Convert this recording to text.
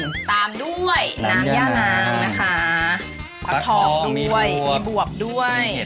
ตามด้วยน้ำย่านางนะคะฟักทองด้วยมีบวบด้วย